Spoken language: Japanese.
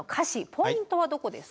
ポイントはどこですか？